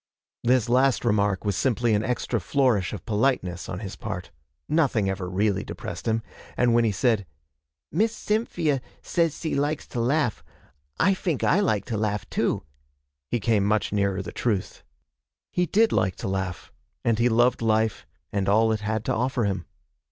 This last remark was simply an extra flourish of politeness on his part. Nothing ever really depressed him, and when he said, 'Miss Cyn fee ia says s'e likes to laugh; I fink I like to laugh too,' he came much nearer the truth. He did like to laugh, and he loved life and all it had to offer him.